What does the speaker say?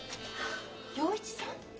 洋一さん！？